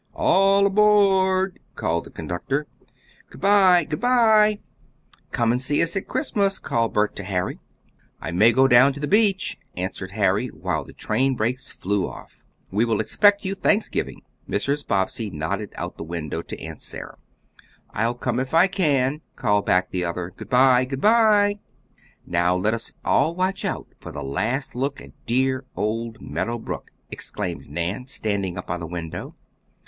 "All aboard!" called the conductor. "Good by!" "Good by!" "Come and see us at Christmas!" called Bert to Harry. "I may go down to the beach!" answered Harry while the train brakes flew off. "We will expect you Thanksgiving," Mrs. Bobbsey nodded out the window to Aunt Sarah. "I'll come if I can," called back the other. "Good by! Good by!" "Now, let us all watch out for the last look at dear old Meadow Brook," exclaimed Nan, standing up by the window.